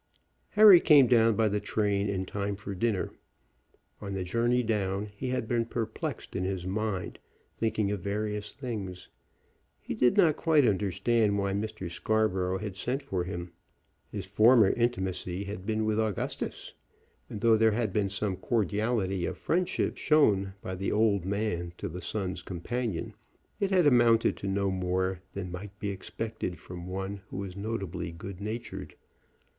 Harry came down by the train in time for dinner. On the journey down he had been perplexed in his mind, thinking of various things. He did not quite understand why Mr. Scarborough had sent for him. His former intimacy had been with Augustus, and though there had been some cordiality of friendship shown by the old man to the son's companion, it had amounted to no more than might be expected from one who was notably good natured.